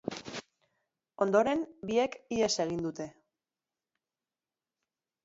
Ondoren, biek ihes egin dute.